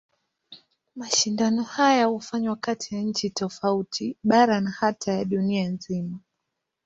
Mashindano hayo hufanywa kati ya nchi tofauti, bara na hata ya dunia nzima.